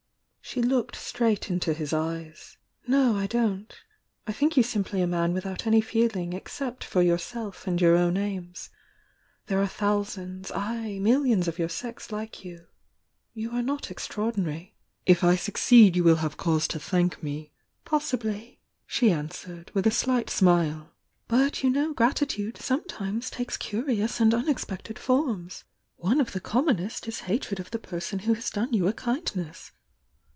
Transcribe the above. She looked straight into his eyes. "No, I don't. I think you simply a man without any feeling except for yourself and your own aims. There are thousands,— aye, millions of your sex like you, — you are not extraordinary." "If I succeed you will have cause to tiiank me " "Possibly!" she answered, twith a slight smile. "But you know gratitude sometimes takes curious and unexpected forms! One of the commonest is hatred of the person who has done you a kindness!